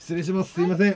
すいません！